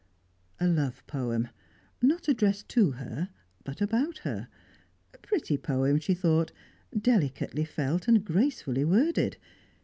A love poem; not addressed to her, but about her; a pretty poem, she thought, delicately felt and gracefully worded.